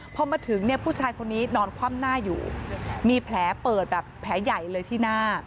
พอมาถึงเนี่ยผู้ชายคนนี้นอนคว่ำหน้าอยู่มีแผลเปิดแบบแผลใหญ่เลยที่หน้า